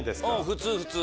普通普通。